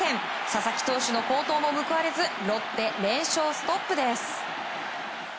佐々木投手の好投も報われずロッテ、連勝ストップです。